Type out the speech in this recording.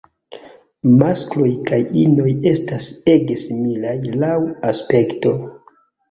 Maskloj kaj inoj estas ege similaj laŭ aspekto.